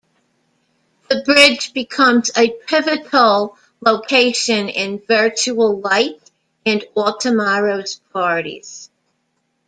The bridge becomes a pivotal location in "Virtual Light" and "All Tomorrow's Parties.